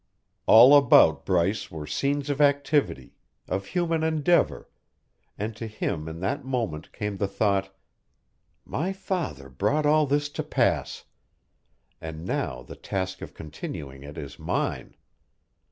All about Bryce were scenes of activity, of human endeavour; and to him in that moment came the thought: "My father brought all this to pass and now the task of continuing it is mine!